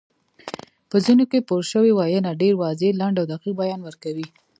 په ځینو کې پورشوي ویونه ډېر واضح، لنډ او دقیق بیان ورکوي